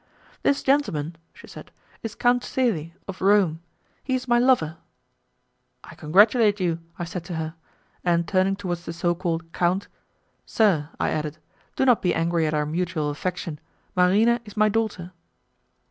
"This gentleman," she said, "is Count Celi, of Rome; he is my lover." "I congratulate you," I said to her, and turning towards the so called count, "Sir," I added, "do not be angry at our mutual affection, Marina is my daughter."